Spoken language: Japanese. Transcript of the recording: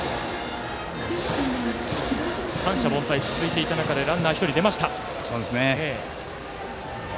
三者凡退が続いていた中でランナー、１人出ました。